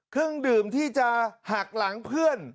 เครื่องดื่มที่จะหักหลังเพื่อน